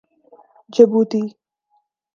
Djibouti